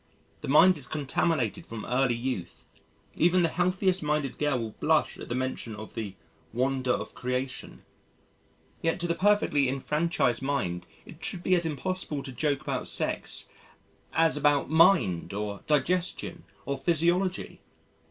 The mind is contaminated from early youth; even the healthiest minded girl will blush at the mention of the wonder of creation. Yet to the perfectly enfranchised mind it should be as impossible to joke about sex as about mind or digestion or physiology.